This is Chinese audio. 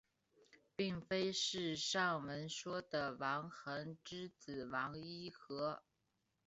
并非是上文说的王桓之子王尹和。